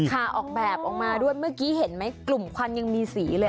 ออกแบบออกมาด้วยเมื่อกี้เห็นไหมกลุ่มควันยังมีสีเลย